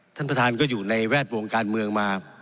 ท่านประธานก็อยู่ในแวดวงการเมืองมา